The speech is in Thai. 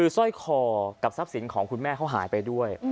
สร้อยคอกับทรัพย์สินของคุณแม่เขาหายไปด้วย